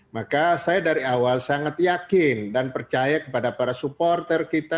maka saya dari awal sangat yakin dan percaya kepada para supporter kita